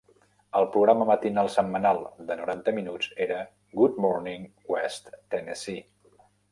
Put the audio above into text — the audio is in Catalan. El programa matinal setmanal de noranta minuts era "Good Morning West Tennessee".